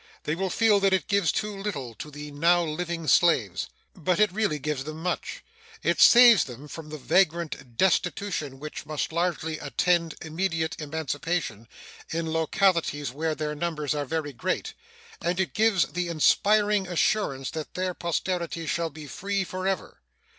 They will feel that it gives too little to the now living slaves. But it really gives them much. It saves them from the vagrant destitution which must largely attend immediate emancipation in localities where their numbers are very great, and it gives the inspiring assurance that their posterity shall be free forever.